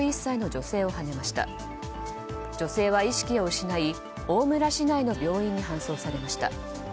女性は意識を失い大村市内の病院に搬送されました。